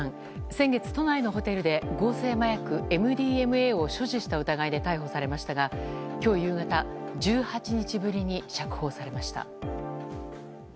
先月、都内のホテルで合成麻薬ＭＤＭＡを所持した疑いで逮捕されましたが今日夕方１８日ぶりに釈放されました。